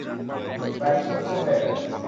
প্রায় বিশ বৎসর হয়ে গেল।